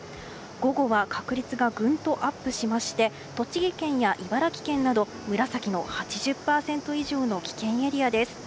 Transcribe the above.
午後は確率がグンとアップしまして栃木県や茨城県など紫の８０％以上の危険エリアです。